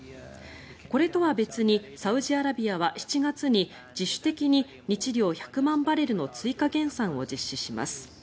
これとは別にサウジアラビアは７月に自主的に日量１００万バレルの追加減産を実施します。